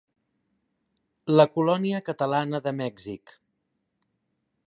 La colònia catalana de Mèxic.